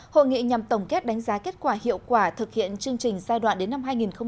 hội nghị nhằm tổng kết đánh giá kết quả hiệu quả thực hiện chương trình giai đoạn đến năm hai nghìn hai mươi